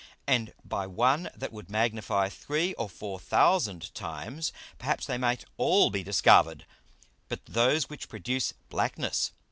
And by one that would magnify three or four thousand times perhaps they might all be discover'd, but those which produce blackness.